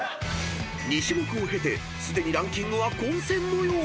［２種目を経てすでにランキングは混戦模様］